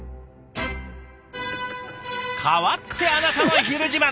代わって「あなたのひる自慢」。